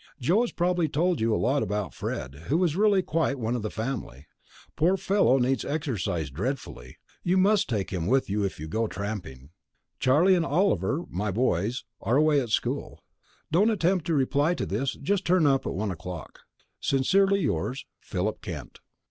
Joe has probably told you all about Fred, who is really quite one of the family. The poor fellow needs exercise dreadfully; you must take him with you if you go tramping. Charlie and Oliver, my boys, are away at school. Don't attempt to reply to this, but just turn up at one o'clock. Sincerely yours, PHILIP KENT.